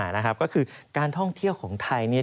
นะครับก็คือการท่องเที่ยวของไทยเนี่ย